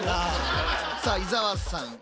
さあ伊沢さん。